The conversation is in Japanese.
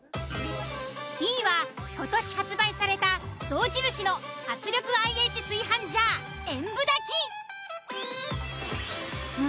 Ｂは今年発売された「象印」の圧力ＩＨ炊飯ジャー炎舞炊き。